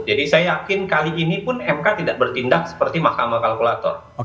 jadi saya yakin kali ini pun mk tidak bertindak seperti mahkamah kalkulator